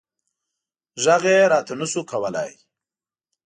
غږ یې راته نه شو کولی.